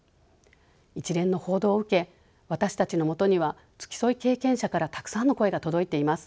一連の報道を受け私たちのもとには付き添い経験者からたくさんの声が届いています。